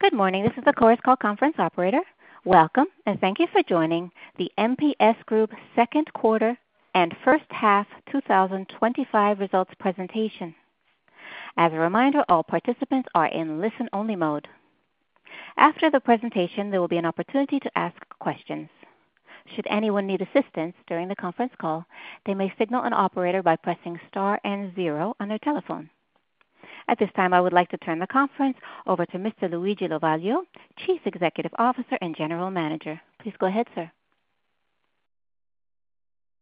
Good morning. This is the conference call operator. Welcome and thank you for joining the MPS Group second quarter and first half 2025 results presentation. As a reminder, all participants are in listen-only mode. After the presentation, there will be an opportunity to ask questions. Should anyone need assistance during the conference call, they may signal an operator by pressing star and zero on their telephone. At this time, I would like to turn the conference over to Mr. Luigi Lovaglio, Chief Executive Officer and General Manager. Please go ahead, sir.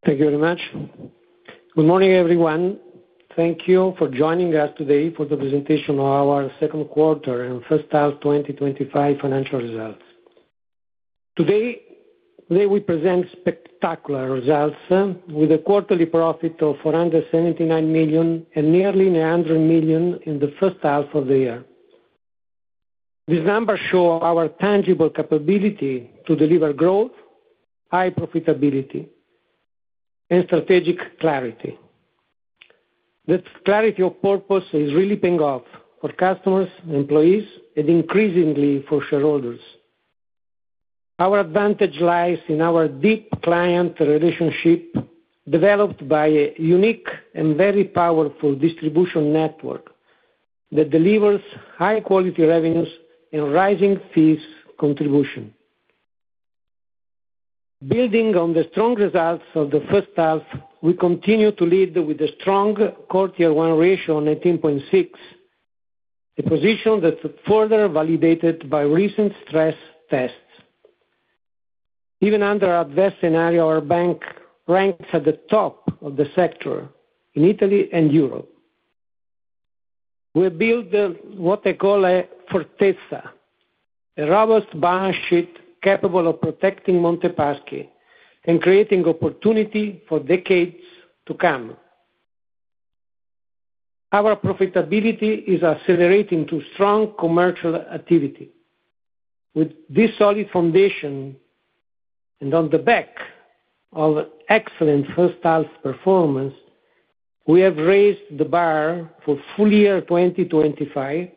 Thank you very much. Good morning, everyone. Thank you for joining us today for the presentation of our second quarter and first half 2025 financial results. Today, we present spectacular results with a quarterly profit of 479 million and nearly 900 million in the first half of the year. These numbers show our tangible capability to deliver growth, high profitability, and strategic clarity. That clarity of purpose is really paying off for customers, employees, and increasingly for shareholders. Our advantage lies in our deep client relationship developed by a unique and very powerful distribution network that delivers high-quality revenues and rising fees contribution. Building on the strong results of the first half, we continue to lead with a strong Common Equity Tier 1 (CET1) ratio of 18.6%, a position that's further validated by recent stress tests. Even under our best scenario, our bank ranks at the top of the sector in Italy and Europe. We build what they call a fortezza, a robust balance sheet capable of protecting Banca Monte dei Paschi di Siena and creating opportunity for decades to come. Our profitability is accelerating through strong commercial activity. With this solid foundation and on the back of excellent first half performance, we have raised the bar for full year 2025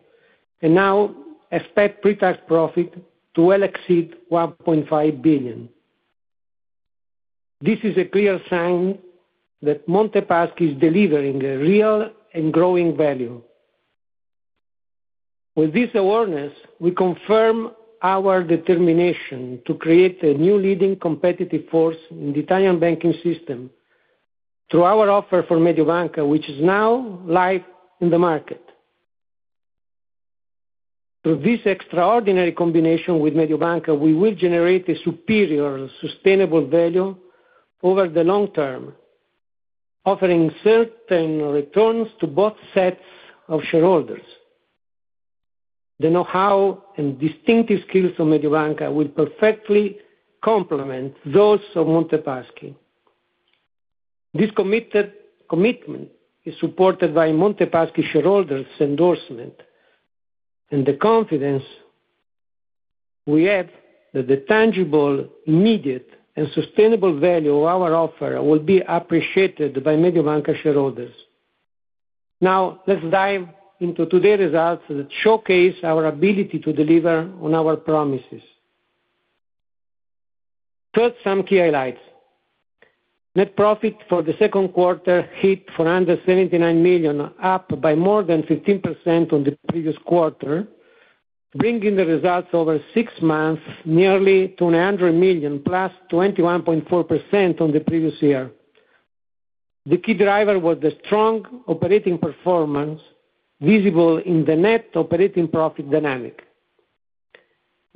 and now expect pre-tax profit to well exceed 1.5 billion. This is a clear sign that Banca Monte dei Paschi di Siena is delivering a real and growing value. With this awareness, we confirm our determination to create a new leading competitive force in the Italian banking system through our offer for Mediobanca, which is now live in the market. Through this extraordinary combination with Mediobanca, we will generate a superior sustainable value over the long term, offering certain returns to both sets of shareholders. The know-how and distinctive skills of Mediobanca will perfectly complement those of Banca Monte dei Paschi di Siena. This commitment is supported by Banca Monte dei Paschi di Siena shareholders' endorsement and the confidence we have that the tangible, immediate, and sustainable value of our offer will be appreciated by Mediobanca shareholders. Now, let's dive into today's results that showcase our ability to deliver on our promises. First, some key highlights. Net profit for the second quarter hit 479 million, up by more than 15% on the previous quarter, bringing the results over six months nearly to 900 million, plus 21.4% on the previous year. The key driver was the strong operating performance visible in the net operating profit dynamic.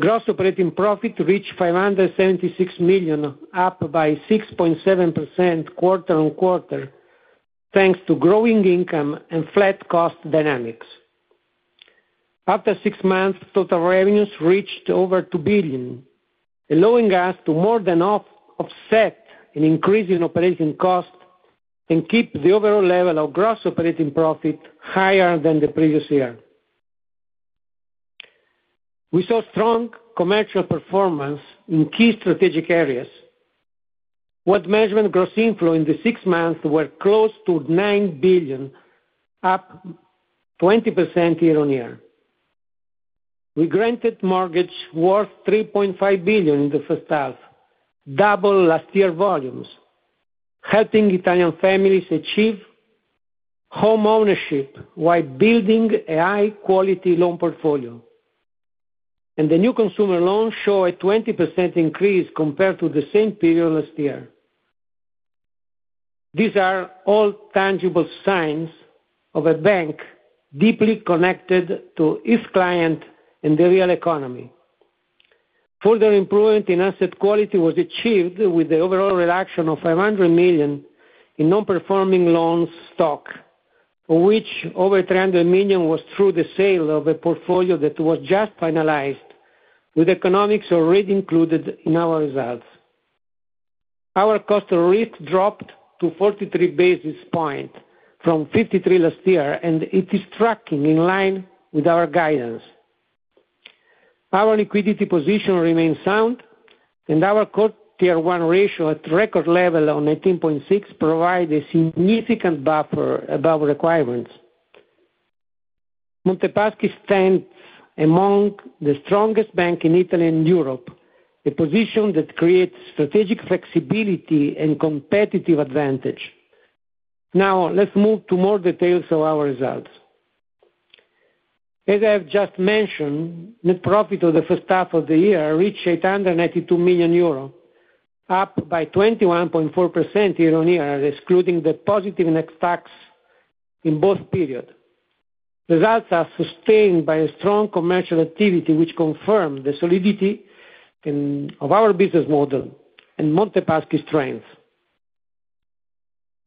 Gross operating profit reached 576 million, up by 6.7% quarter on quarter, thanks to growing income and flat cost dynamics. After six months, total revenues reached over 2 billion, allowing us to more than offset an increase in operating costs and keep the overall level of gross operating profit higher than the previous year. We saw strong commercial performance in key strategic areas. Wealth management gross inflow in the six months were close to 9 billion, up 20% year on year. We granted mortgages worth 3.5 billion in the first half, double last year's volumes, helping Italian families achieve home ownership while building a high-quality loan portfolio. The new consumer loans show a 20% increase compared to the same period last year. These are all tangible signs of a bank deeply connected to its clients and the real economy. Further improvement in asset quality was achieved with the overall reduction of 500 million in non-performing loans stock, of which over 300 million was through the sale of a portfolio that was just finalized, with economics already included in our results. Our cost of risk dropped to 43 basis points from 53 last year, and it is tracking in line with our guidance. Our liquidity position remains sound, and our Common Equity Tier 1 (CET1) ratio at record level on 18.6% provides a significant buffer above requirements. Banca Monte dei Paschi di Siena stands among the strongest banks in Italy and Europe, a position that creates strategic flexibility and competitive advantage. Now, let's move to more details of our results. As I have just mentioned, net profit of the first half of the year reached 892 million euro, up by 21.4% year on year, excluding the positive net tax in both periods. Results are sustained by a strong commercial activity, which confirms the solidity of our business model and Monte Paschi strength.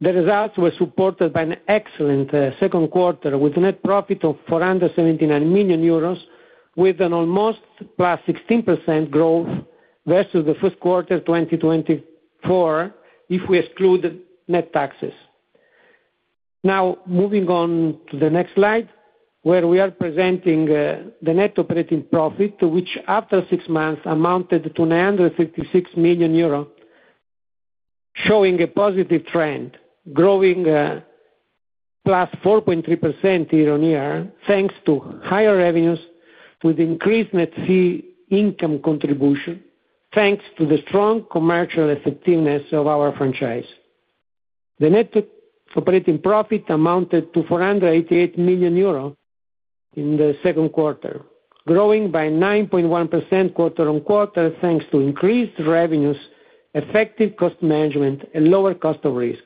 The results were supported by an excellent second quarter with a net profit of 479 million euros, with an almost plus 16% growth versus the first quarter 2024, if we exclude net taxes. Now, moving on to the next slide, where we are presenting the net operating profit, which after six months amounted to 956 million euros, showing a positive trend, growing plus 4.3% year on year, thanks to higher revenues with increased net fee income contribution, thanks to the strong commercial effectiveness of our franchise. The net operating profit amounted to 488 million euro in the second quarter, growing by 9.1% quarter on quarter, thanks to increased revenues, effective cost management, and lower cost of risk.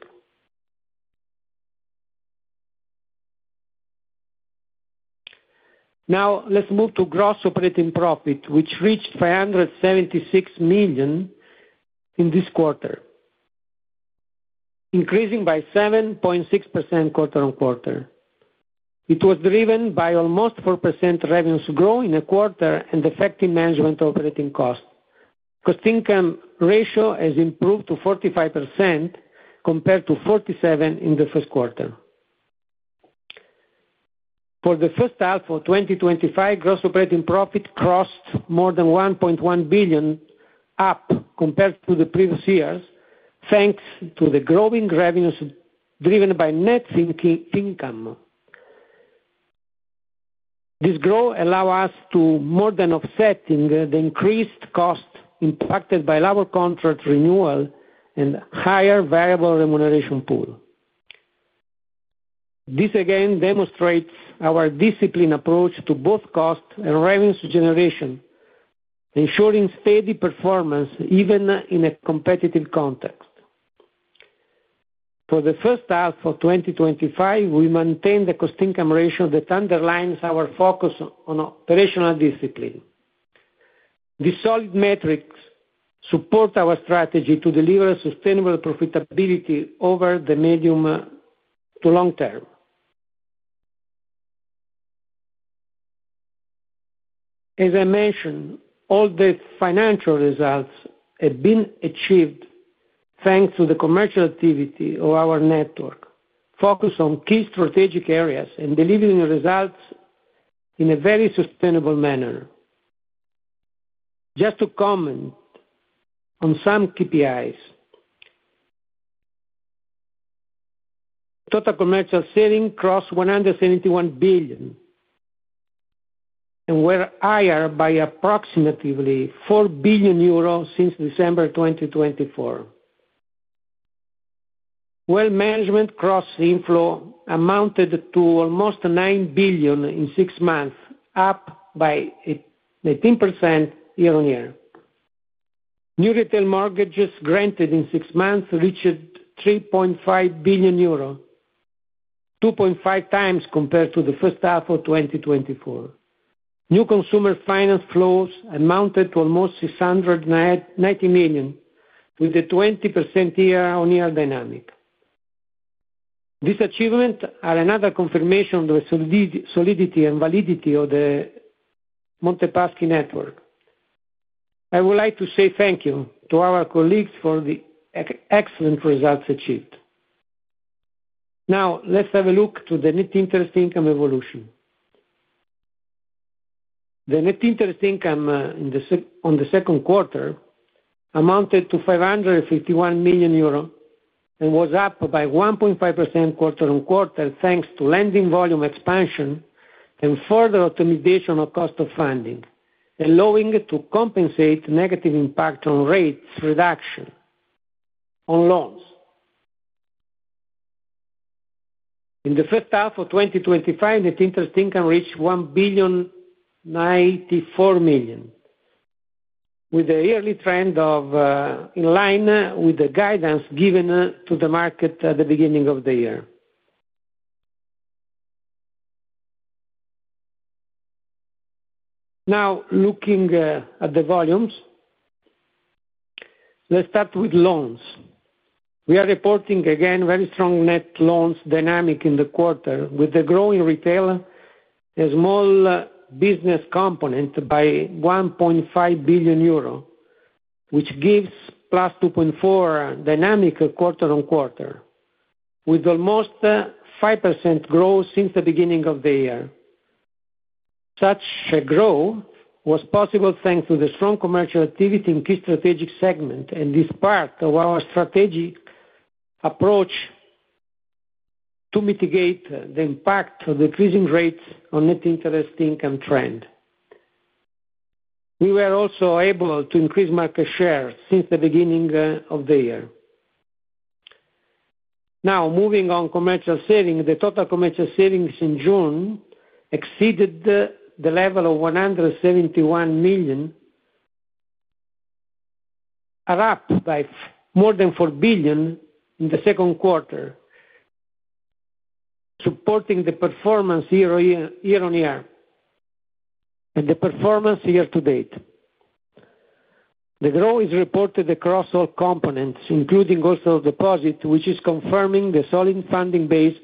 Now, let's move to gross operating profit, which reached 576 million in this quarter, increasing by 7.6% quarter on quarter. It was driven by almost 4% revenues growth in a quarter and effective management of operating costs. Cost income ratio has improved to 45% compared to 47% in the first quarter. For the first half of 2025, gross operating profit crossed more than 1.1 billion, up compared to the previous years, thanks to the growing revenues driven by net income. This growth allows us to more than offset the increased costs impacted by labor contracts renewal and higher variable remuneration pool. This again demonstrates our disciplined approach to both cost and revenue generation, ensuring steady performance even in a competitive context. For the first half of 2025, we maintain the cost income ratio that underlines our focus on operational discipline. These solid metrics support our strategy to deliver sustainable profitability over the medium to long term. As I mentioned, all the financial results have been achieved thanks to the commercial activity of our network, focused on key strategic areas and delivering results in a very sustainable manner. Just to comment on some KPIs, total commercial selling crossed 171 billion and were higher by approximately 4 billion euros since December 2024. Wealth management crossed the inflow amounted to almost 9 billion in six months, up by 18% year on year. New retail mortgages granted in six months reached 3.5 billion euro, 2.5 times compared to the first half of 2024. New consumer finance flows amounted to almost 690 million with a 20% year on year dynamic. These achievements are another confirmation of the solidity and validity of the Monte Paschi network. I would like to say thank you to our colleagues for the excellent results achieved. Now, let's have a look at the net interest income evolution. The net interest income on the second quarter amounted to 551 million euro and was up by 1.5% quarter on quarter, thanks to lending volume expansion and further optimization of cost of funding, allowing it to compensate the negative impact on rate reduction on loans. In the first half of 2025, net interest income reached 1.094 billion, with a yearly trend in line with the guidance given to the market at the beginning of the year. Now, looking at the volumes, let's start with loans. We are reporting again a very strong net loans dynamic in the quarter, with the growing retail and small business component by 1.5 billion euro, which gives plus 2.4% dynamic quarter on quarter, with almost 5% growth since the beginning of the year. Such a growth was possible thanks to the strong commercial activity in key strategic segments, and this is part of our strategic approach to mitigate the impact of decreasing rates on net interest income trend. We were also able to increase market share since the beginning of the year. Now, moving on to commercial savings, the total commercial savings in June exceeded the level of 171 billion, a lot like more than 4 billion in the second quarter, supporting the performance year on year and the performance year to date. The growth is reported across all components, including also deposits, which is confirming the solid funding base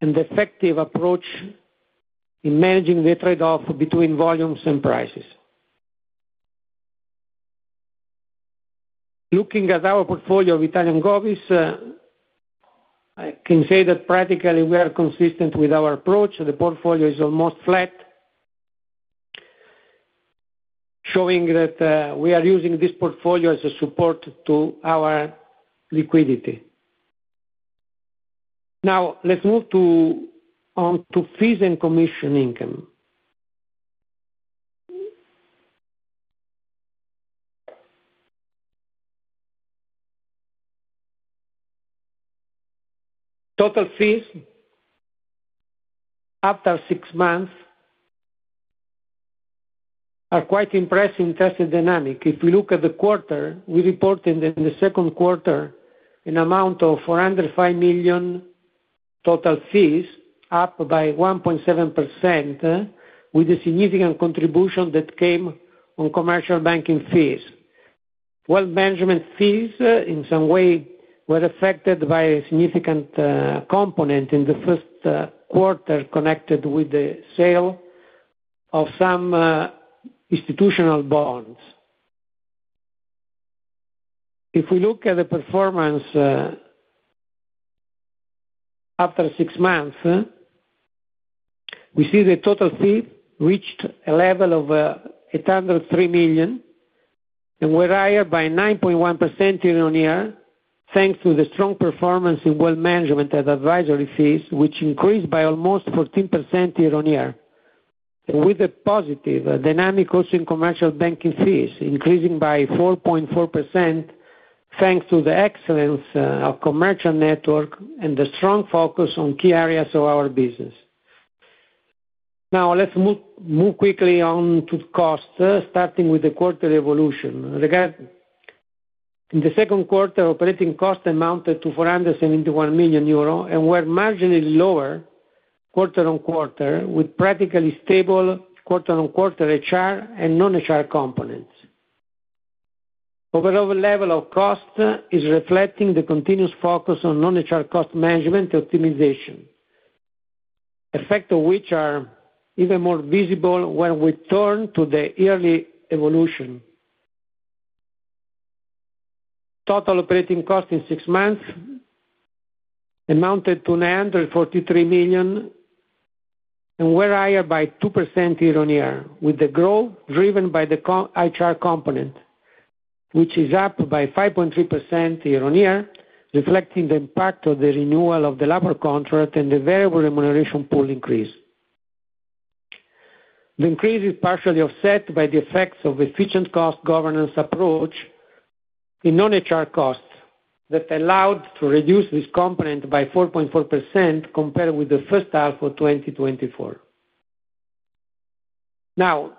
and the effective approach in managing the trade-off between volumes and prices. Looking at our portfolio of Italian Govis, I can say that practically we are consistent with our approach. The portfolio is almost flat, showing that we are using this portfolio as a support to our liquidity. Now, let's move on to fees and commission income. Total fees after six months are quite impressive in terms of dynamic. If we look at the quarter, we reported in the second quarter an amount of 405 million total fees, up by 1.7%, with a significant contribution that came from commercial banking fees. Wealth management fees in some way were affected by a significant component in the first quarter connected with the sale of some institutional bonds. If we look at the performance after six months, we see the total fee reached a level of 803 million and were higher by 9.1% year on year, thanks to the strong performance in wealth management and advisory fees, which increased by almost 14% year on year, with the positive dynamic also in commercial banking fees increasing by 4.4%, thanks to the excellence of the commercial network and the strong focus on key areas of our business. Now, let's move quickly on to costs, starting with the quarterly evolution. In the second quarter, operating costs amounted to 471 million euros and were marginally lower quarter on quarter, with practically stable quarter on quarter HR and non-HR components. The overall level of cost is reflecting the continuous focus on non-HR cost management optimization, effects of which are even more visible when we turn to the yearly evolution. Total operating costs in six months amounted to 943 million and were higher by 2% year on year, with the growth driven by the HR component, which is up by 5.3% year on year, reflecting the impact of the renewal of the labor contract and the variable remuneration pool increase. The increase is partially offset by the effects of efficient cost governance approach in non-HR costs that allowed to reduce this component by 4.4% compared with the first half of 2024. Now,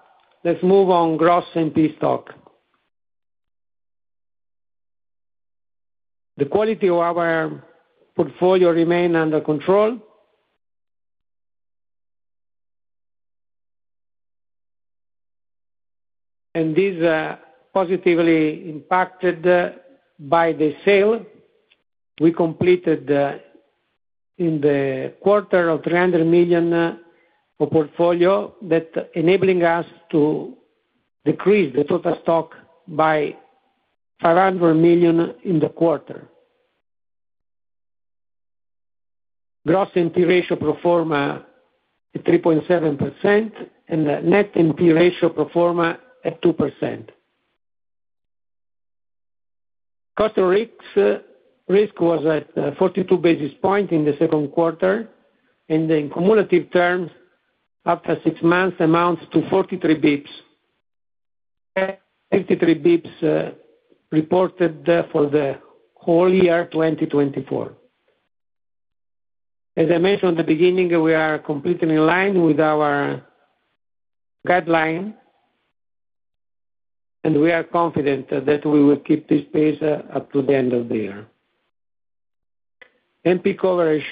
let's move on to gross and NP stock. The quality of our portfolio remains under control, and this is positively impacted by the sale we completed in the quarter of 300 million of portfolio, enabling us to decrease the total stock by 500 million in the quarter. Gross NP ratio performed at 3.7% and the net NP ratio performed at 2%. Cost of risk was at 42 basis points in the second quarter, and in cumulative terms, after six months, amounts to 43 bps, 53 bps reported for the whole year 2024. As I mentioned at the beginning, we are completely in line with our guideline, and we are confident that we will keep this pace up to the end of the year. NP coverage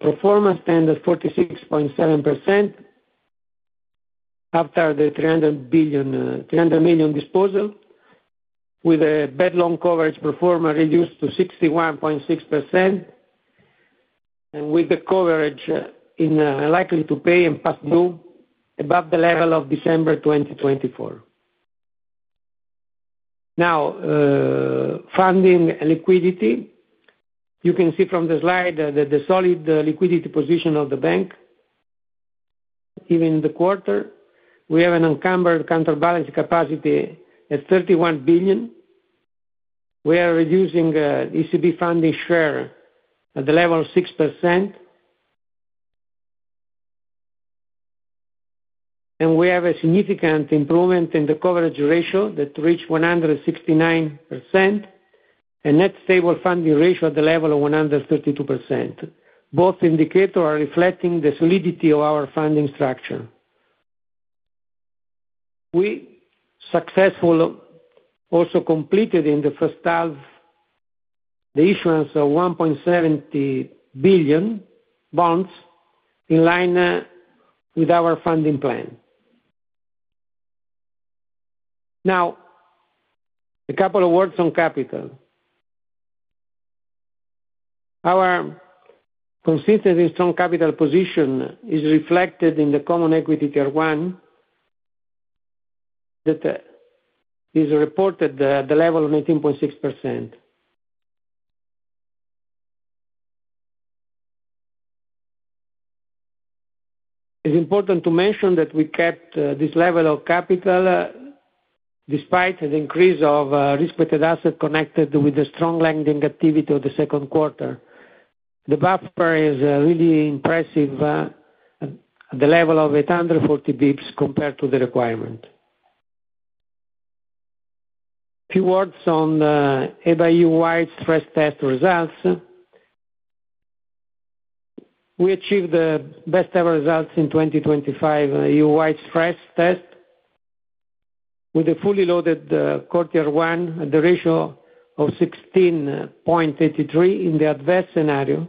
performance stands at 46.7% after the 300 million disposal, with a bad loan coverage performer reduced to 61.6% and with the coverage likely to pay and past due above the level of December 2024. Now, funding and liquidity, you can see from the slide that the solid liquidity position of the bank even in the quarter, we have an unencumbered counterbalance capacity at 31 billion. We are reducing ECB funding share at the level of 6%, and we have a significant improvement in the coverage ratio that reached 169% and a net stable funding ratio at the level of 132%. Both indicators are reflecting the solidity of our funding structure. We successfully also completed in the first half the issuance of 1.70 billion bonds in line with our funding plan. Now, a couple of words on capital. Our consistent and strong capital position is reflected in the Common Equity Tier 1 ratio, that is reported at the level of 18.6%. It's important to mention that we kept this level of capital despite the increase of risk-based assets connected with the strong lending activity of the second quarter. The buffer is really impressive at the level of 840 basis points compared to the requirement. A few words on EU-wide stress test results. We achieved the best ever results in 2023 EU-wide stress test with a fully loaded Common Equity Tier 1 (CET1) ratio of 16.83% in the adverse scenario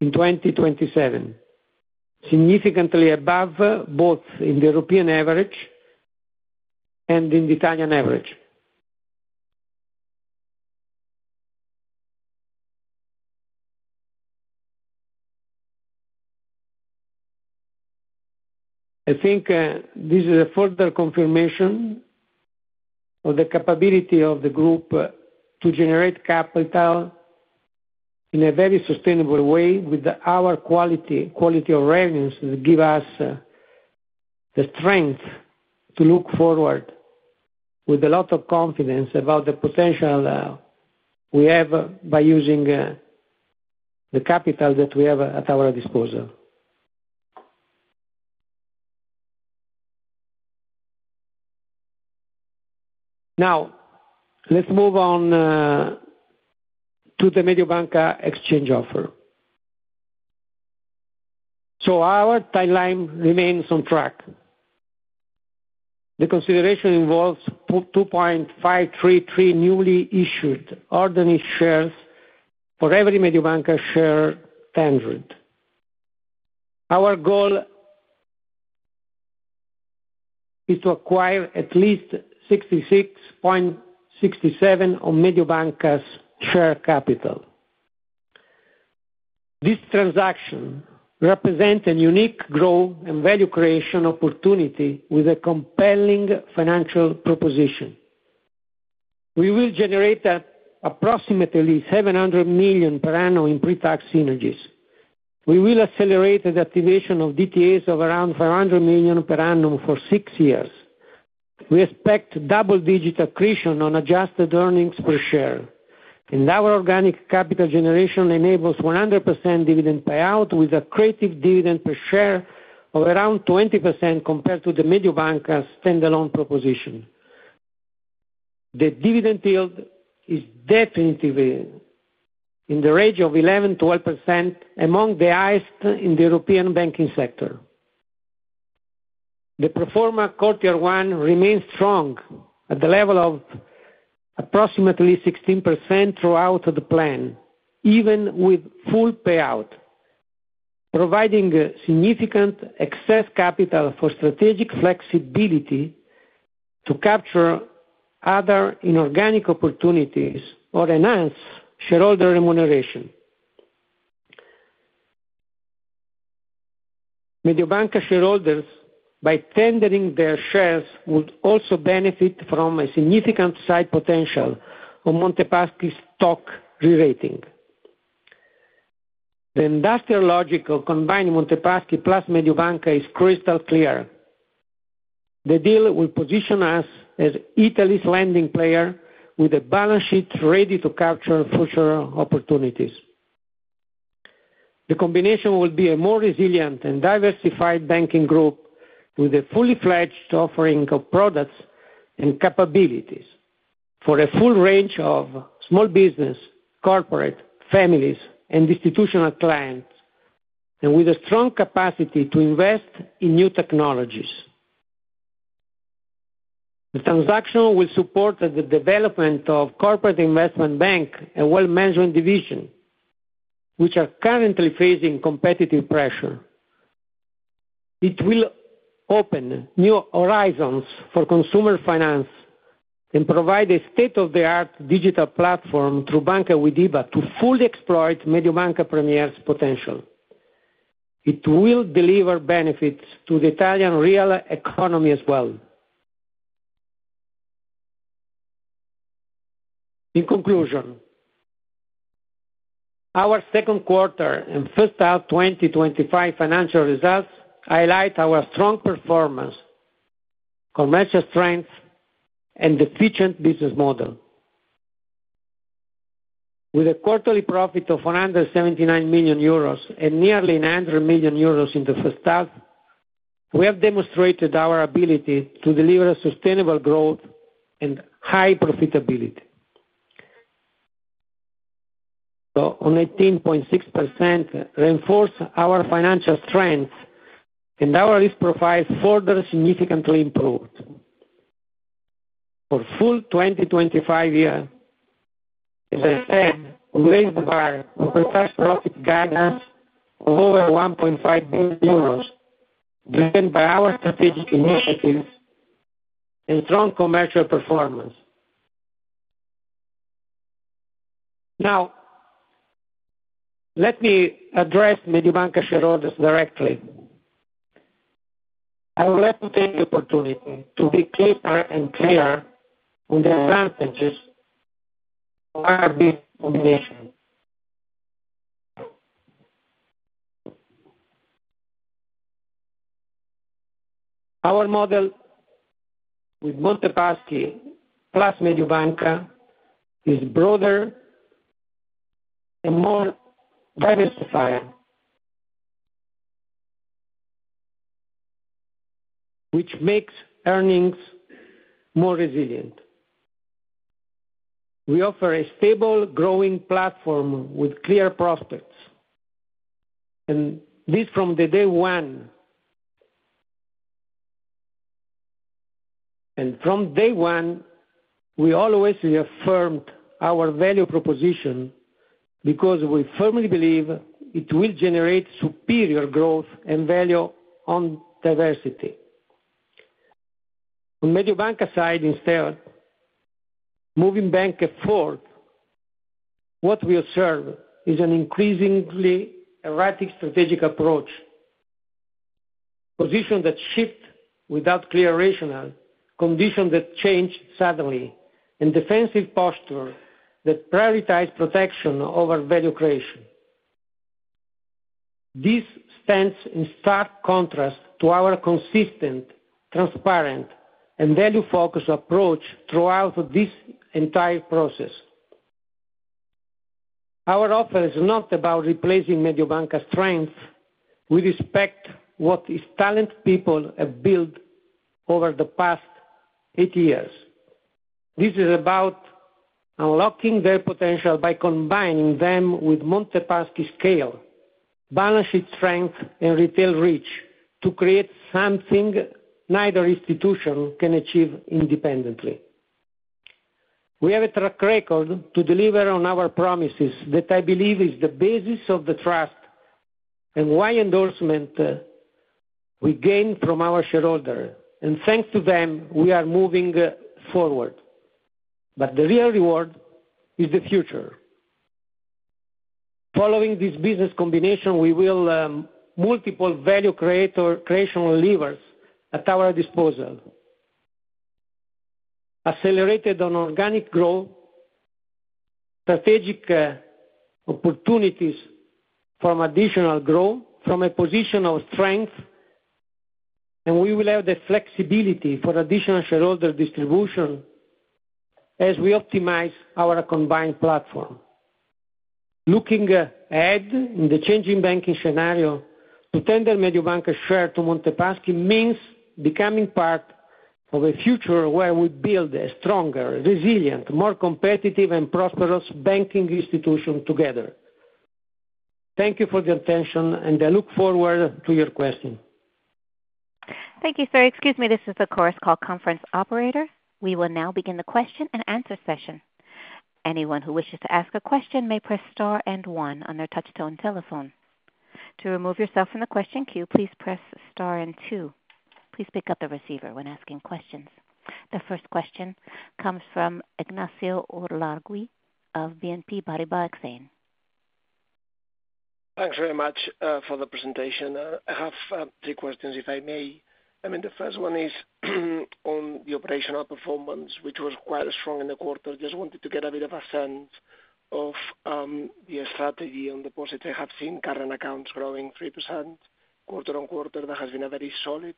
in 2025, significantly above both the European average and the Italian average. I think this is a further confirmation of the capability of the group to generate capital in a very sustainable way with our quality of revenues that give us the strength to look forward with a lot of confidence about the potential we have by using the capital that we have at our disposal. Now, let's move on to the Mediobanca exchange offer. Our timeline remains on track. The consideration involves 2.533 newly issued ordinary shares for every Mediobanca share tendered. Our goal is to acquire at least 66.67% of Mediobanca's share capital. This transaction represents a unique growth and value creation opportunity with a compelling financial proposition. We will generate approximately 700 million per annum in pre-tax synergies. We will accelerate the activation of DTAs of around 500 million per annum for six years. We expect double-digit accretion on adjusted earnings per share, and our organic capital generation enables 100% dividend payout with an accretive dividend per share of around 20% compared to the Mediobanca standalone proposition. The dividend yield is definitely in the range of 11-12%, among the highest in the European banking sector. The pro forma Common Equity Tier 1 (CET1) ratio remains strong at the level of approximately 16% throughout the plan, even with full payout, providing significant excess capital for strategic flexibility to capture other inorganic opportunities or enhance shareholder remuneration. Mediobanca shareholders, by tendering their shares, would also benefit from a significant upside potential on Monte Paschi stock re-rating. The industrial logic of combining Monte Paschi plus Mediobanca is crystal clear. The deal will position us as Italy's leading player with a balance sheet ready to capture future opportunities. The combination will be a more resilient and diversified banking group with a fully fledged offering of products and capabilities for a full range of small business, corporate, families, and institutional clients, and with a strong capacity to invest in new technologies. The transaction will support the development of corporate investment bank and wealth management division, which are currently facing competitive pressure. It will open new horizons for consumer finance and provide a state-of-the-art digital platform through Banca with IBA to fully exploit Mediobanca Premier's potential. It will deliver benefits to the Italian real economy as well. In conclusion, our second quarter and first half 2025 financial results highlight our strong performance, commercial strength, and efficient business model. With a quarterly profit of 479 million euros and nearly 900 million euros in the first half, we have demonstrated our ability to deliver sustainable growth and high profitability. At 18.6%, we reinforce our financial strength and our risk profile further significantly improved. For the full 2025 year, as I said, we raised the bar on pre-tax profit guidance of over 1.5 billion euros, driven by our strategic initiatives and strong commercial performance. Now, let me address Mediobanca shareholders directly. I would like to take the opportunity to be clear and clear on the advantages our bid will make. Our model with Monte Paschi plus Mediobanca is broader and more diversified, which makes earnings more resilient. We offer a stable growing platform with clear prospects, and this from day one. From day one, we always reaffirmed our value proposition because we firmly believe it will generate superior growth and value on diversity. On Mediobanca's side, instead of moving bank forward, what we observe is an increasingly erratic strategic approach, a position that shifts without clear rational conditions that change suddenly, and a defensive posture that prioritizes protection over value creation. This stands in stark contrast to our consistent, transparent, and value-focused approach throughout this entire process. Our offer is not about replacing Mediobanca's strength. We respect what its talented people have built over the past eight years. This is about unlocking their potential by combining them with Monte Paschi's scale, balance sheet strength, and retail reach to create something neither institution can achieve independently. We have a track record to deliver on our promises that I believe is the basis of the trust and why endorsement we gain from our shareholders, and thanks to them, we are moving forward. The real reward is the future. Following this business combination, we will have multiple value creation levers at our disposal, accelerated on organic growth, strategic opportunities from additional growth from a position of strength, and we will have the flexibility for additional shareholder distribution as we optimize our combined platform. Looking ahead in the changing banking scenario, to tender Mediobanca share to Monte Paschi means becoming part of a future where we build a stronger, resilient, more competitive, and prosperous banking institution together. Thank you for your attention, and I look forward to your questions. Thank you, sir. Excuse me. This is the course call Conference Operator. We will now begin the question and answer session. Anyone who wishes to ask a question may press star and one on their touch-tone telephone. To remove yourself from the question queue, please press star and two. Please pick up the receiver when asking questions. The first question comes from Ignacio Ulargui of BNP Paribas Exchange. Thanks very much for the presentation. I have three questions, if I may. The first one is on the operational performance, which was quite strong in the quarter. Just wanted to get a bit of a sense of the strategy on deposit. I have seen current accounts growing 3% quarter on quarter. That has been a very solid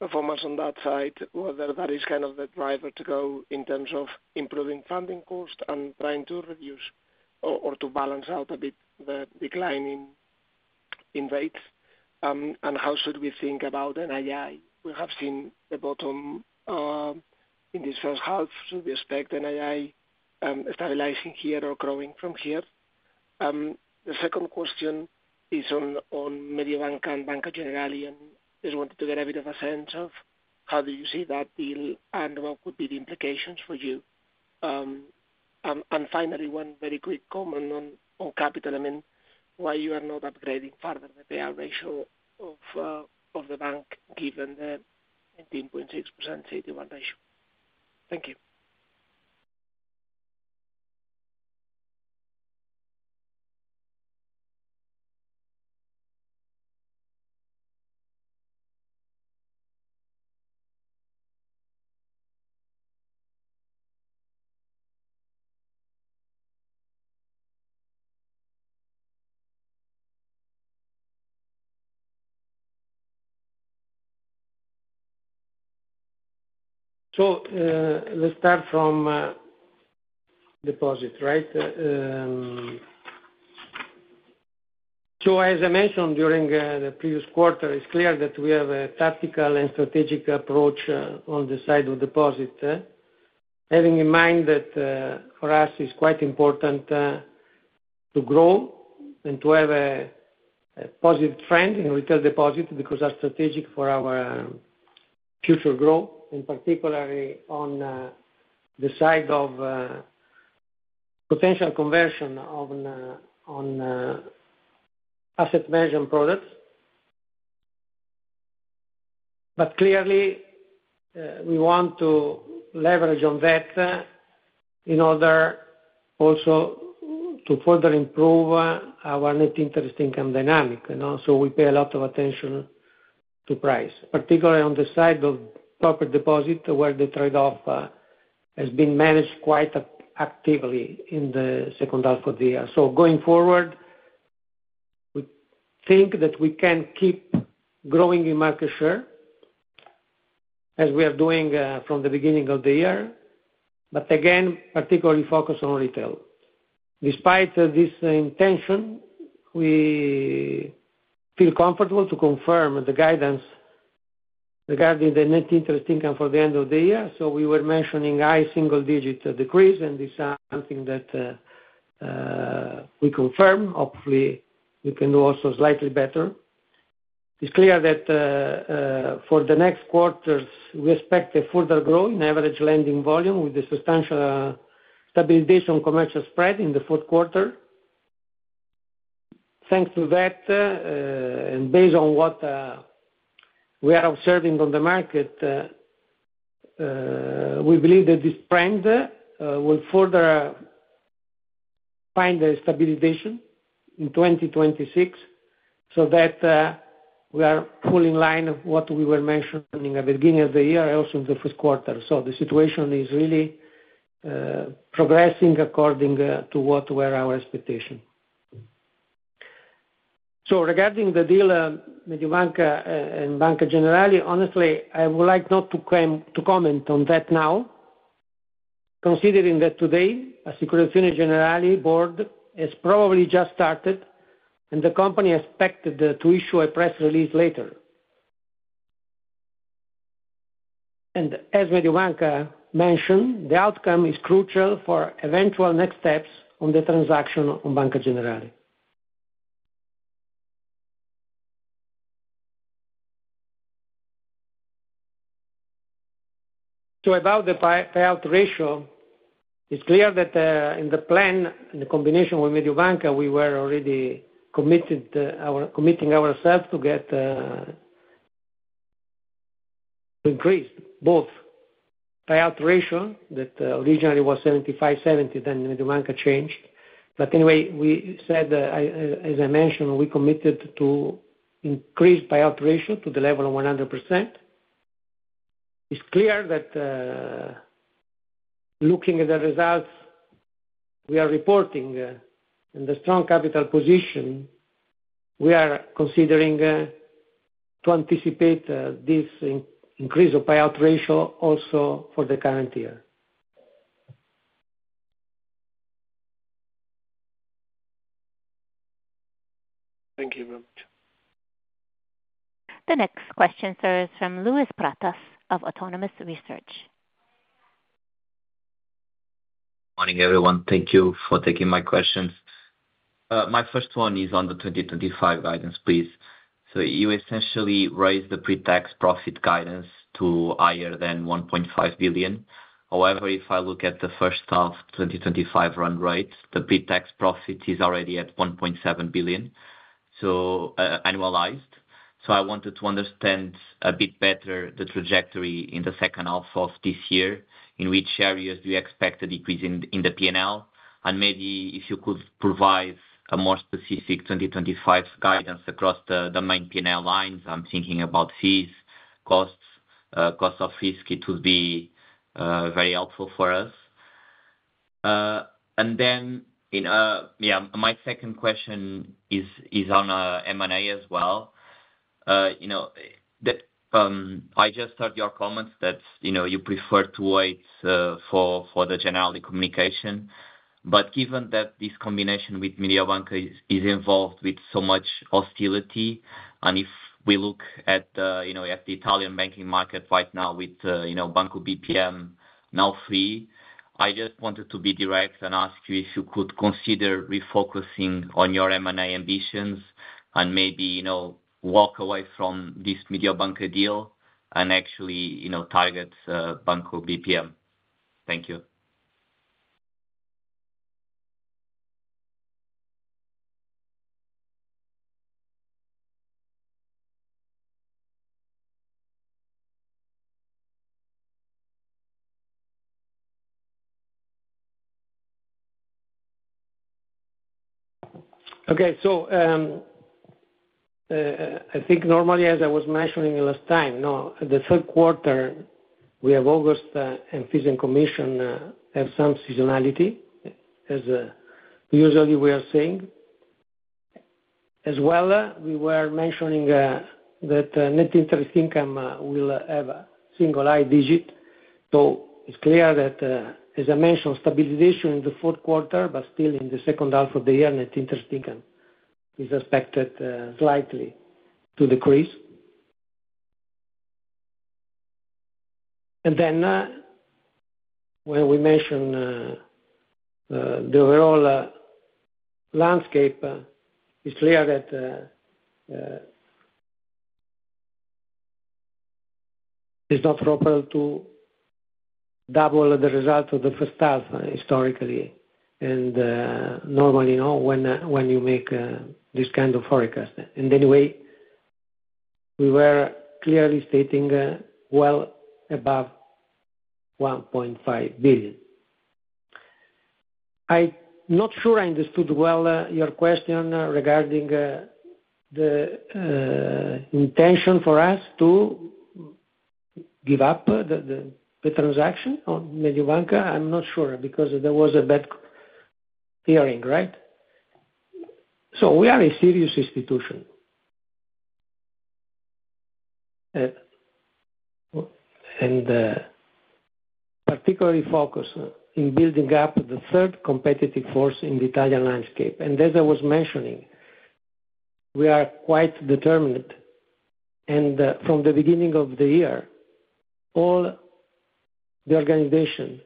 performance on that side. Whether that is kind of the driver to go in terms of improving funding costs and trying to reduce or to balance out a bit the declining in rates, and how should we think about NII? We have seen the bottom in this first half. Should we expect NII stabilizing here or growing from here? The second question is on Mediobanca and Banca Generali, and I just wanted to get a bit of a sense of how do you see that deal and what could be the implications for you? Finally, one very quick comment on capital. Why you are not upgrading further the payout ratio of the bank, given the 18.6% CET1 ratio? Thank you. Let's start from deposit, right? As I mentioned during the previous quarter, it's clear that we have a tactical and strategic approach on the side of deposit, having in mind that for us it's quite important to grow and to have a positive trend in retail deposit because that's strategic for our future growth, and particularly on the side of potential conversion on asset management products. Clearly, we want to leverage on that in order also to further improve our net interest income dynamic. We pay a lot of attention to price, particularly on the side of corporate deposit, where the trade-off has been managed quite actively in the second half of the year. Going forward, we think that we can keep growing in market share, as we are doing from the beginning of the year, but again, particularly focused on retail. Despite this intention, we feel comfortable to confirm the guidance regarding the net interest income for the end of the year. We were mentioning a single-digit decrease, and this is something that we confirm. Hopefully, we can do also slightly better. It is clear that for the next quarter, we expect a further growth in average lending volume with a substantial stabilization in commercial spread in the fourth quarter. Thanks to that, and based on what we are observing on the market, we believe that this trend will further find a stabilization in 2026 so that we are all in line with what we were mentioning at the beginning of the year and also in the first quarter. The situation is really progressing according to what were our expectations. Regarding the deal on Mediobanca and Banca Generali, honestly, I would like not to comment on that now, considering that today the Assicurazioni Generali board has probably just started, and the company is expected to issue a press release later. As Mediobanca mentioned, the outcome is crucial for eventual next steps on the transaction on Banca Generali. About the payout ratio, it's clear that in the plan, in the combination with Mediobanca, we were already committing ourselves to get to increase both payout ratio that originally was 75-70%, then Mediobanca changed. Anyway, we said, as I mentioned, we committed to increase payout ratio to the level of 100%. It's clear that looking at the results we are reporting and the strong capital position, we are considering to anticipate this increase of payout ratio also for the current year. Thank you. The next question, sir, is from Luis Pratas of Autonomous Research. Morning, everyone. Thank you for taking my questions. My first one is on the 2025 guidance, please. You essentially raised the pre-tax profit guidance to higher than $1.5 billion. However, if I look at the first half 2025 run rate, the pre-tax profit is already at $1.7 billion annualized. I wanted to understand a bit better the trajectory in the second half of this year. In which areas do you expect a decrease in the P&L? Maybe, if you could provide a more specific 2025 guidance across the main P&L lines, I'm thinking about fees, costs, cost of risk. It would be very helpful for us. My second question is on M&A as well. I just heard your comments that you prefer to wait for the general communication. Given that this combination with Mediobanca is involved with so much hostility, and if we look at the Italian banking market right now with Banco BPM now free, I just wanted to be direct and ask you if you could consider refocusing on your M&A ambitions and maybe walk away from this Mediobanca deal and actually target Banco BPM. Thank you. I think normally, as I was mentioning last time, the third quarter, we have August and fees and commission have some seasonality, as usually we are saying. We were mentioning that net interest income will have a single high digit. It is clear that, as I mentioned, stabilization in the fourth quarter, but still in the second half of the year, net interest income is expected slightly to decrease. When we mention the overall landscape, it is clear that it is not proper to double the results of the first half historically, and normally, when you make this kind of forecast. Anyway, we were clearly stating well above $1.5 billion. I'm not sure I understood well your question regarding the intention for us to give up the transaction on Mediobanca. I'm not sure because there was a bad hearing, right? We are a serious institution and particularly focused in building up the third competitive force in the Italian landscape. As I was mentioning, we are quite determined. From the beginning of the year, all the organization,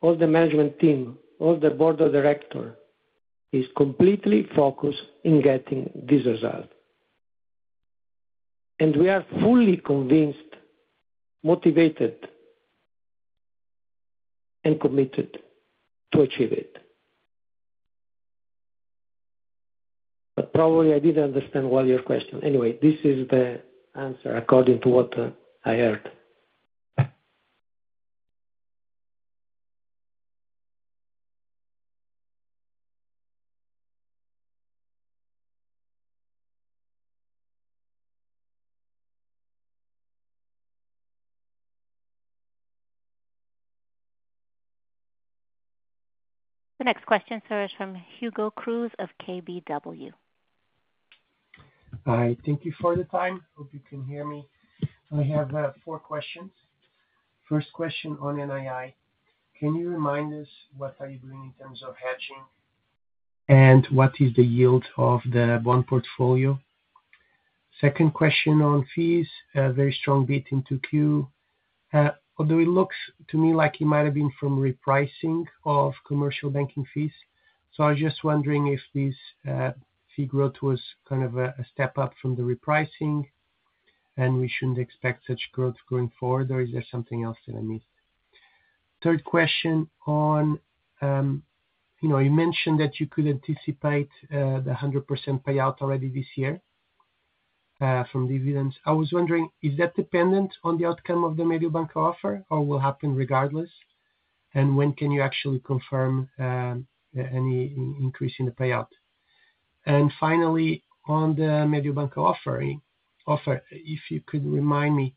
all the management team, all the board of directors is completely focused in getting this result. We are fully convinced, motivated, and committed to achieve it. Probably I didn't understand well your question. Anyway, this is the answer according to what I heard. The next question, sir, is from Hugo Cruz of KBW. I thank you for the time. Hope you can hear me. I have four questions. First question on NII. Can you remind us what are you doing in terms of hedging and what is the yield of the bond portfolio? Second question on fees, a very strong bid into Q. Although it looks to me like it might have been from repricing of commercial banking fees. I was just wondering if this fee growth was kind of a step up from the repricing and we shouldn't expect such growth going forward, or is there something else in the mix? Third question on, you mentioned that you could anticipate the 100% payout already this year from dividends. I was wondering, is that dependent on the outcome of the Mediobanca offer or will happen regardless? When can you actually confirm any increase in the payout? Finally, on the Mediobanca offer, if you could remind me,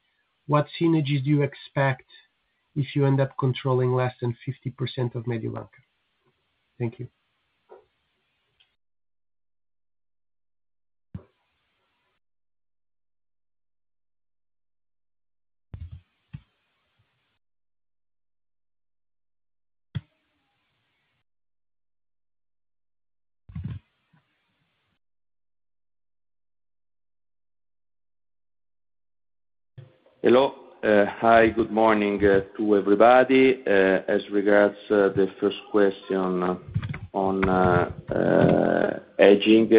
what synergies do you expect if you end up controlling less than 50% of Mediobanca? Thank you. Hello. Hi. Good morning to everybody. As regards the first question on hedging,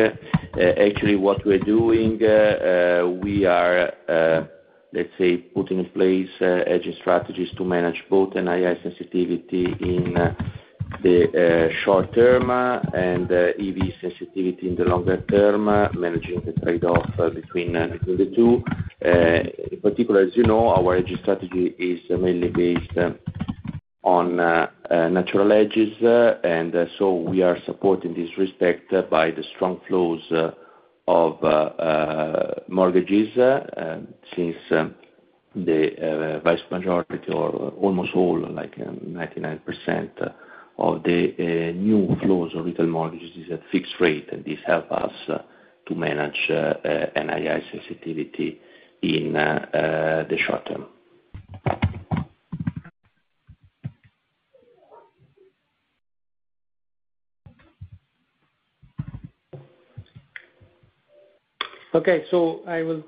actually what we're doing, we are, let's say, putting in place hedging strategies to manage both NII sensitivity in the short term and EV sensitivity in the longer term, managing the trade-off between the two. In particular, as you know, our hedging strategy is mainly based on natural hedges, and we are supporting this respect by the strong flows of mortgages, since the vast majority or almost all, like 99% of the new flows on retail mortgages, is at fixed rate, and this helps us to manage NII sensitivity in the short term. Okay. I will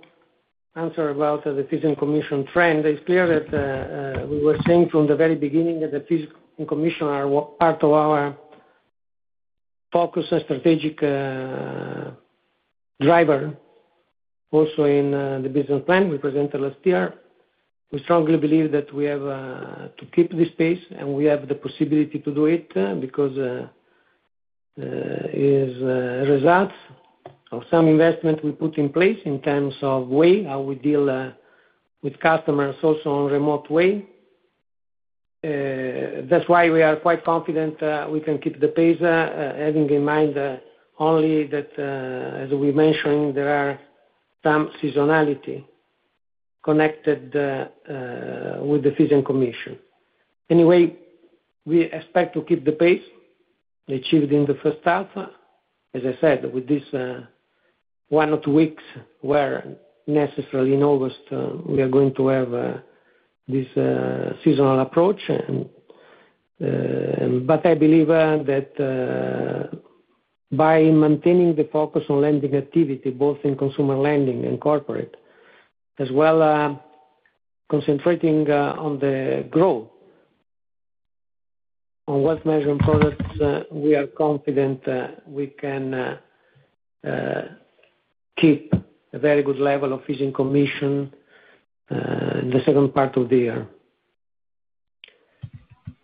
answer about the fees and commission trend. It's clear that we were saying from the very beginning that the fees and commission are part of our focus and strategic driver also in the business plan we presented last year. We strongly believe that we have to keep this pace, and we have the possibility to do it because it is the result of some investment we put in place in terms of the way how we deal with customers, also in a remote way. That's why we are quite confident we can keep the pace, having in mind only that, as we mentioned, there is some seasonality connected with the fees and commission. Anyway, we expect to keep the pace achieved in the first half. As I said, with this one or two weeks where necessarily in August we are going to have this seasonal approach. I believe that by maintaining the focus on lending activity, both in consumer lending and corporate, as well as concentrating on the growth on wealth management products, we are confident we can keep a very good level of fees and commission in the second part of the year.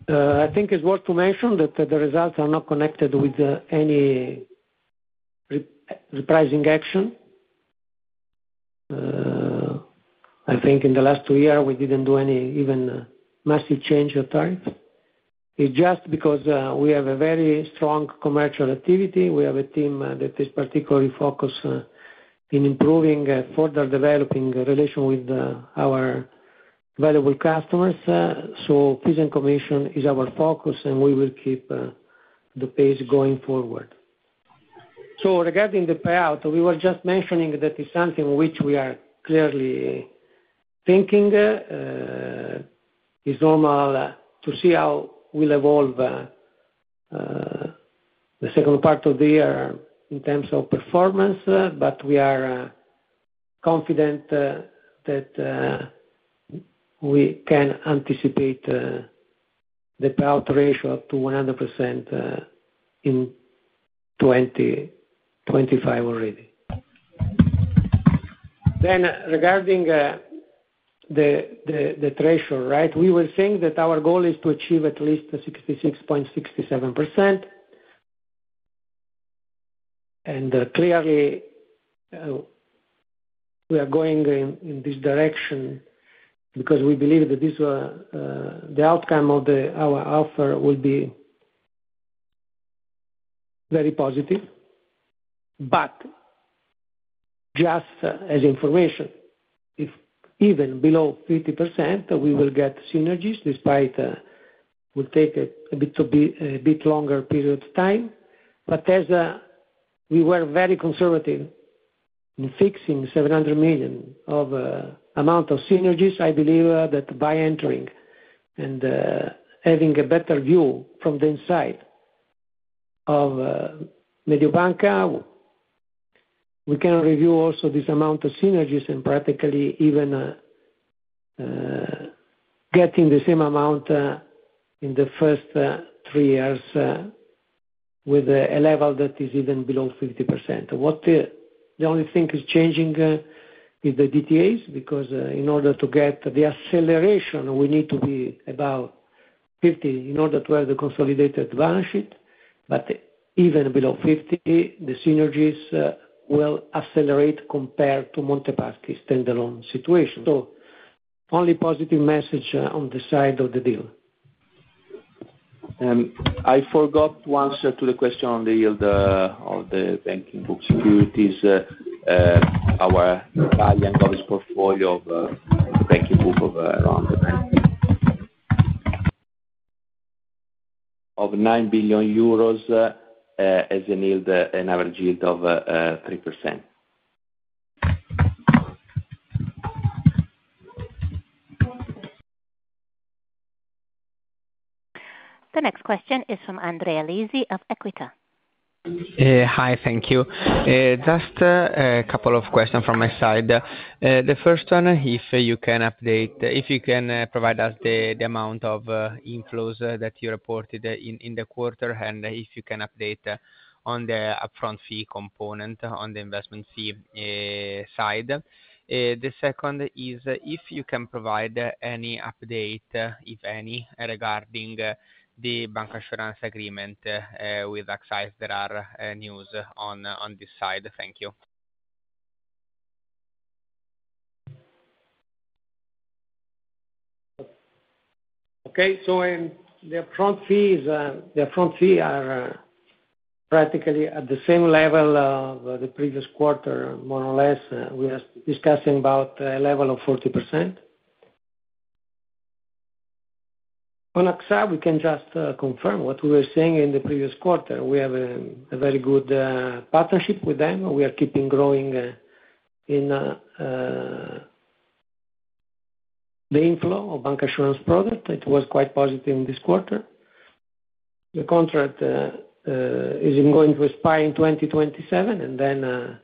I think it's worth mentioning that the results are not connected with any repricing action. I think in the last two years, we didn't do any even massive change of tariffs. It's just because we have a very strong commercial activity. We have a team that is particularly focused in improving and further developing relations with our valuable customers. Fees and commission is our focus, and we will keep the pace going forward. Regarding the payout, we were just mentioning that it's something which we are clearly thinking. It's normal to see how we'll evolve the second part of the year in terms of performance, but we are confident that we can anticipate the payout ratio up to 100% in 2025 already. Regarding the treasury, we were saying that our goal is to achieve at least 66.67%. We are going in this direction because we believe that the outcome of our offer will be very positive. Just as information, if even below 50%, we will get synergies despite it will take a bit longer period of time. As we were very conservative in fixing 700 million of the amount of synergies, I believe that by entering and having a better view from the inside of Mediobanca, we can review also this amount of synergies and practically even getting the same amount in the first three years with a level that is even below 50%. The only thing that is changing is the DTA activation because in order to get the acceleration, we need to be above 50% in order to have the consolidated balance sheet. Even below 50%, the synergies will accelerate compared to Monte Paschi's standalone situation. Only positive message on the side of the deal. I forgot to answer to the question on the yield of the banking group securities. Our buying of this portfolio of the banking group of around EUR 9 billion has yielded an average yield of 3%. The next question is from Andrea Lisi of Equita. Hi. Thank you. Just a couple of questions from my side. The first one, if you can update, if you can provide us the amount of inflows that you reported in the quarter, and if you can update on the upfront fee component on the investment fee side. The second is if you can provide any update, if any, regarding the bancassurance agreement with AXA. There are news on this side. Thank you. Okay. In the upfront fees, the upfront fees are practically at the same level of the previous quarter, more or less. We are discussing about a level of 40%. On AXA, we can just confirm what we were saying in the previous quarter. We have a very good partnership with them. We are keeping growing in the inflow of bancassurance product. It was quite positive in this quarter. The contract is going to expire in 2027, and then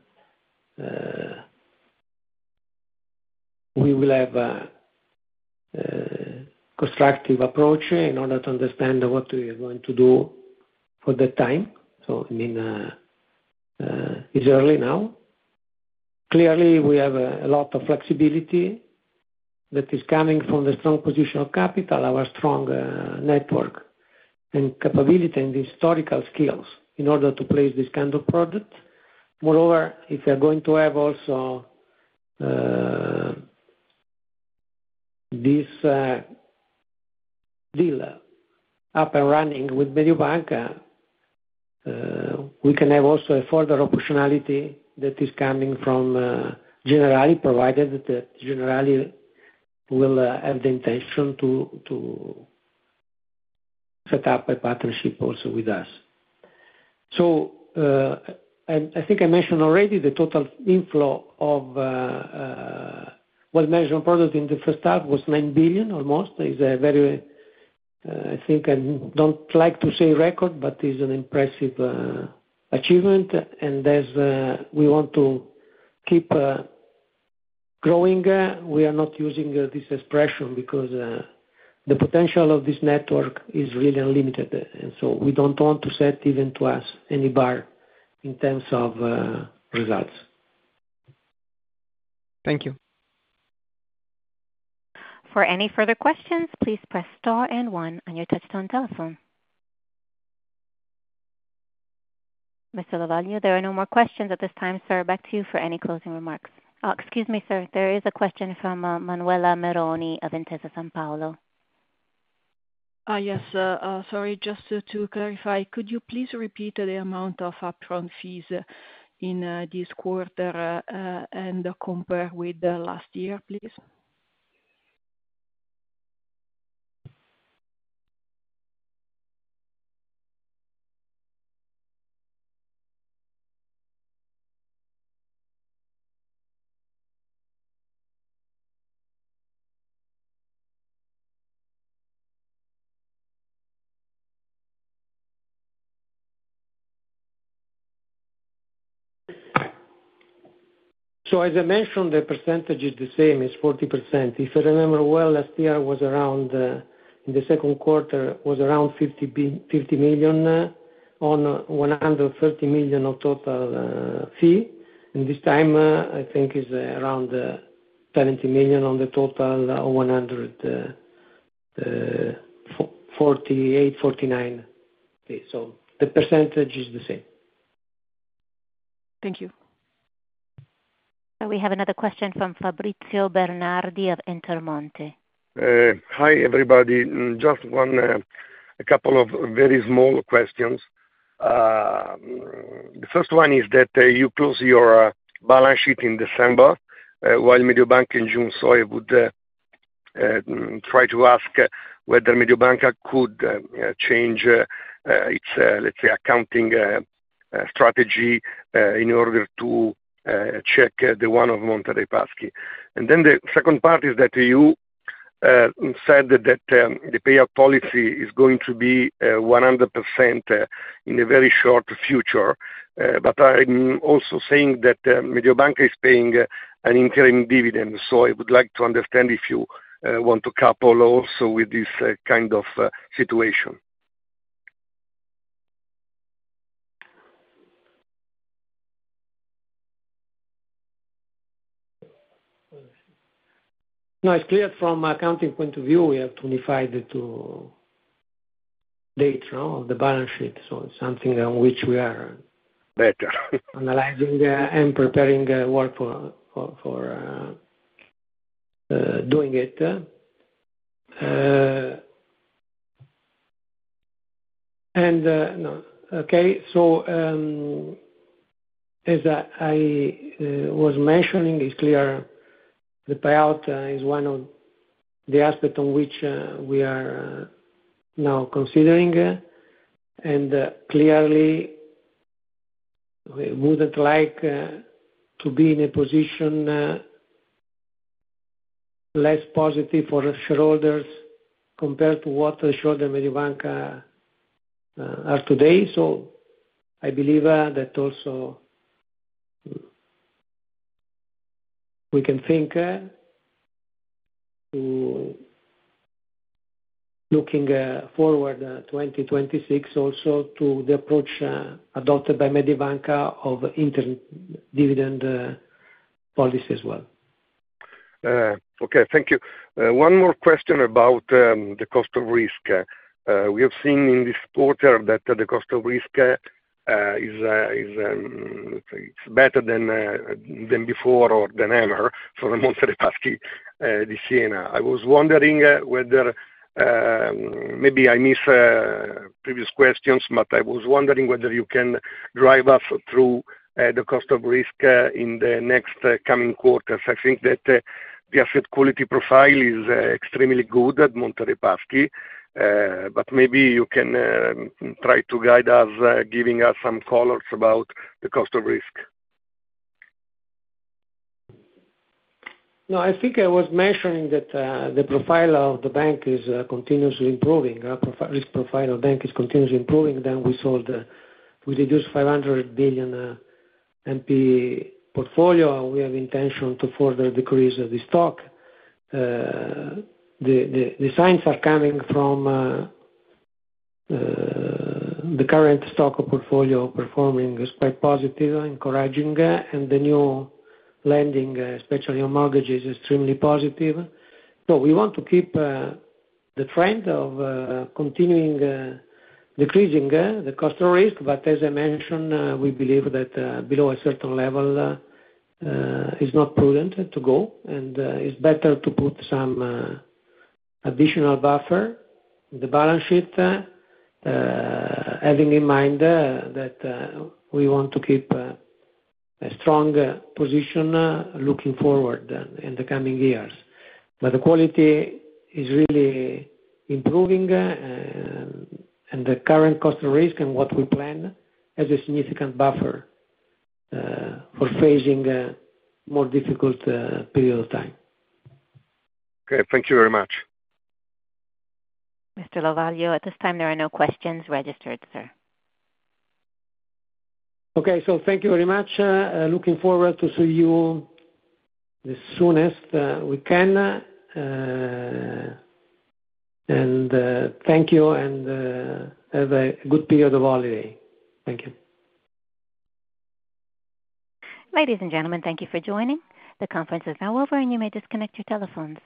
we will have a constructive approach in order to understand what we are going to do for that time. It's early now. Clearly, we have a lot of flexibility that is coming from the strong position of capital, our strong network and capability and historical skills in order to place this kind of product. Moreover, if we are going to have also this deal up and running with Mediobanca, we can have also a further optionality that is coming from Generali provided that Generali will have the intention to set up a partnership also with us. I think I mentioned already the total inflow of wealth management product in the first half was 9 billion almost. It's a very, I think, I don't like to say record, but it's an impressive achievement. As we want to keep growing, we are not using this expression because the potential of this network is really unlimited. We don't want to set even to us any bar in terms of results. Thank you. For any further questions, please press star and one on your touch-tone telephone. Mr. Lovaglio, there are no more questions at this time, sir. Back to you for any closing remarks. Excuse me, sir. There is a question from Manuela Meroni of Intesa Sanpaolo. Yes, sorry, just to clarify, could you please repeat the amount of upfront fees in this quarter and compare with last year, please? As I mentioned, the percentage is the same. It's 40%. If I remember well, last year was around, in the second quarter, was around 50 million on 130 million of total fee. This time, I think it's around 70 million on the total of 148, 149 fees. The percentage is the same. Thank you. We have another question from Fabrizio Bernardi of Intermonte. Hi, everybody. Just a couple of very small questions. The first one is that you close your balance sheet in December while Mediobanca in June. I would try to ask whether Mediobanca could change its, let's say, accounting strategy in order to check the one of Monte Paschi. The second part is that you said that the payout policy is going to be 100% in the very short future. I'm also saying that Mediobanca is paying an interim dividend. I would like to understand if you want to couple also with this kind of situation. No, it's clear from an accounting point of view, we have 25 days now of the balance sheet. It's something on which we are better analyzing and preparing work for doing it. It's clear the payout is one of the aspects on which we are now considering. Clearly, we wouldn't like to be in a position less positive for the shareholders compared to what the shareholders of Mediobanca are today. I believe that also we can think looking forward to 2026 also to the approach adopted by Mediobanca of interim dividend policy as well. Okay. Thank you. One more question about the cost of risk. We have seen in this quarter that the cost of risk is better than before or than ever for Banca Monte dei Paschi di Siena. I was wondering whether maybe I missed previous questions, but I was wondering whether you can drive us through the cost of risk in the next coming quarters. I think that the asset quality profile is extremely good at Monte Paschi, but maybe you can try to guide us, giving us some colors about the cost of risk. I think I was mentioning that the profile of the bank is continuously improving. The profile of the bank is continuously improving. We sold, we deduced 500 billion MP portfolio. We have intention to further decrease the stock. The signs are coming from the current stock portfolio performing quite positive, encouraging, and the new lending, especially on mortgages, is extremely positive. We want to keep the trend of continuing decreasing the cost of risk. As I mentioned, we believe that below a certain level is not prudent to go, and it's better to put some additional buffer in the balance sheet, having in mind that we want to keep a strong position looking forward in the coming years. The quality is really improving, and the current cost of risk and what we plan has a significant buffer for facing a more difficult period of time. Okay, thank you very much. Mr. Lovaglio, at this time, there are no questions registered, sir. Thank you very much. Looking forward to seeing you the soonest we can. Thank you, and have a good period of holiday. Thank you. Ladies and gentlemen, thank you for joining. The conference is now over, and you may disconnect your telephones.